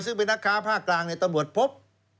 ซึ่งเป็นนักค้าภาคกลางในตลอดพบ